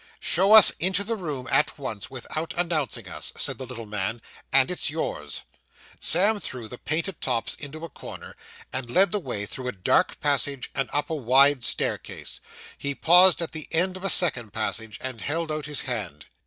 'Show us into the room at once, without announcing us,' said the little man, 'and it's yours.' Sam threw the painted tops into a corner, and led the way through a dark passage, and up a wide staircase. He paused at the end of a second passage, and held out his hand.